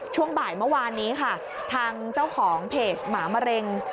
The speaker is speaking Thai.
ช่วงบ่ายเมื่อวานนี้ค่ะทางเจ้าของเพจหมามะเร็ง